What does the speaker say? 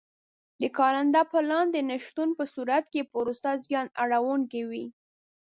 د کارنده پلان د نه شتون په صورت کې پروسه زیان اړوونکې وي.